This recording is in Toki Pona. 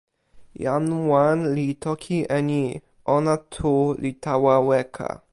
jan wan li toki e ni: ona tu li tawa weka.